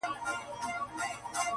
خلک نور ژوند کوي عادي-